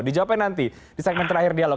dijawabkan nanti di segmen terakhir dialog